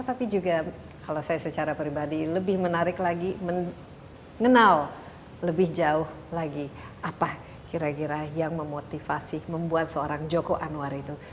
tapi juga kalau saya secara pribadi lebih menarik lagi mengenal lebih jauh lagi apa kira kira yang memotivasi membuat seorang joko anwar itu